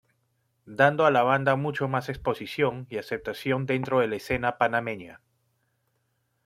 Dando a la banda mucho más exposición y aceptación dentro de la escena Panameña.